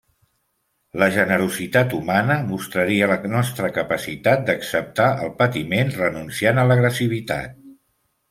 La generositat humana mostraria la nostra capacitat d'acceptar el patiment, renunciant a l'agressivitat.